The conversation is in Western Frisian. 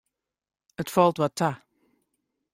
It falt wat ta.